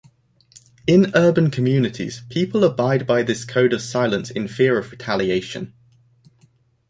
In urban communities, people abide by this code of silence in fear of retaliation.